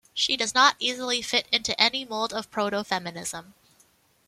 She does not easily fit into any mould of proto-feminism.